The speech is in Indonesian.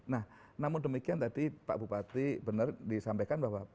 nah namun demikian tadi pak bupati benar disampaikan bahwa